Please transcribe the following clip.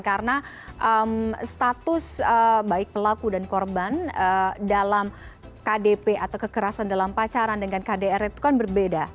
karena status baik pelaku dan korban dalam kdp atau kekerasan dalam pacaran dengan kdr itu kan berbeda